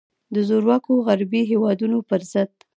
د زورواکو غربي هیوادونو پر ضد.